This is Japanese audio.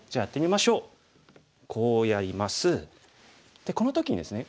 でこの時にですね